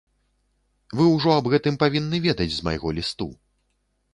Вы ўжо аб гэтым павінны ведаць з майго лісту.